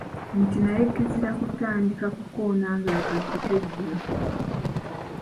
Nti naye kizira kutandika kukoona ng’akaggi keggula.